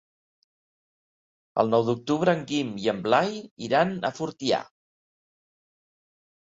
El nou d'octubre en Guim i en Blai iran a Fortià.